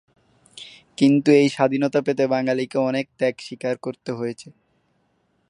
কিন্তু এই স্বাধীনতা পেতে বাঙালিকে অনেক ত্যাগ স্বীকার করতে হয়েছে।